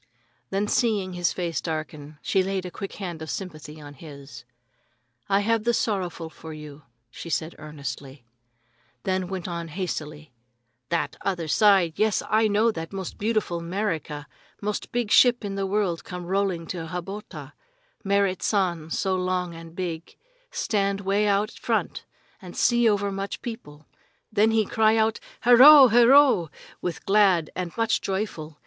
Then seeing his face darken, she laid a quick hand of sympathy on his. "I have the sorrowful for you," she said earnestly, then went on hastily: "That other side! Yes, I know that most beautiful 'Merica. Most big ship in the world come rolling into Hatoba. Merrit San so long and big, stand way out front and see over much people. Then he cry out, 'Herro!' herro!' with glad and much joyful.